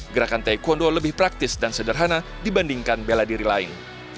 gerakan taekwondo lebih praktis dan sederhana dibandingkan bela diri lain